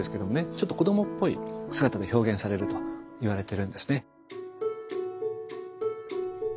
ちょっと子どもっぽい姿で表現されるといわれてるんですね。